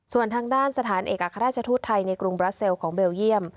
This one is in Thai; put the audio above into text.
ส่วนทางด้านสถานเอกอัครราชทูตไทยในกรุงบราเซลของเบลเยี่ยม